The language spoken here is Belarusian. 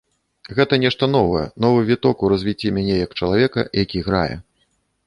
Гэта нешта новае, новы віток у развіцці мяне як чалавека, які грае.